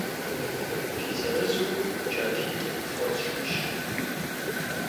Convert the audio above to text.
Фи зырызу джатитӏ фхуэсщӏынщ.